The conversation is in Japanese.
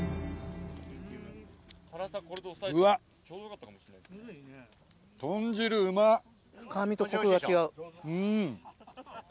うわ！豚汁うまっ。